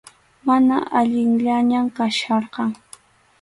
Mana allinllañam kachkarqan.